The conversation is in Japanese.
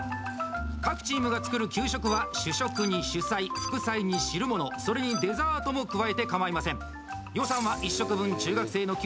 各チームが作る給食は主食に主菜副菜に汁物それにデザートも加えてかまいません。